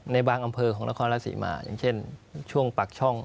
ในบางอำเภอของนครราชศรีมาอย่างเช่นช่วงปากช่อง